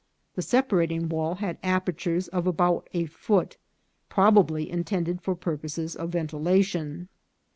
The separating wall had apertures of about a foot, probably intended for pur poses of ventilation.